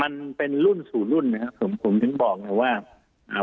มันเป็นรุ่นสู่รุ่นนะครับผมยังบอกว่า